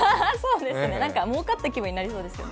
もうかった気分になりそうですよね。